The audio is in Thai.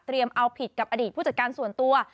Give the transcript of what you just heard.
เอาผิดกับอดีตผู้จัดการส่วนตัว